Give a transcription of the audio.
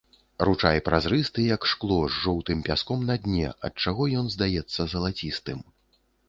Ручай празрысты, як шкло, з жоўтым пяском на дне, ад чаго ён здаецца залацістым.